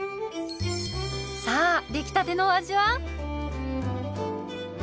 さあ出来たてのお味は？